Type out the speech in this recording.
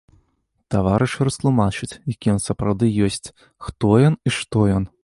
Таварышы растлумачаць, які ён сапраўды ёсць, хто ён і што ён.